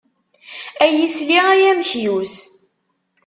Ay isli ay amekyus.